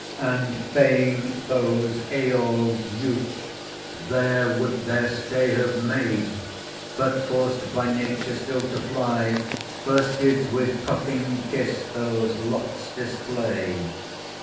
And fain those Æol's youth there would their stay Have made; but, forced by nature still to fly, First did with puffing kiss those locks display.